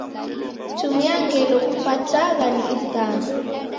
Tumia ngelo kupatwagha ni isama.